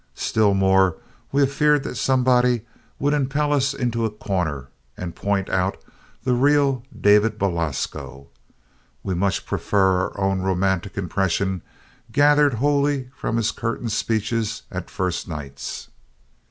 Still more we have feared that somebody would impel us into a corner and point out the real David Belasco. We much prefer our own romantic impression gathered wholly from his curtain speeches at first nights.